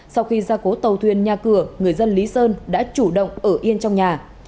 sau khi ra cố tàu thuyền nhà cửa người dân lý sơn đã chủ động ở yên trong nhà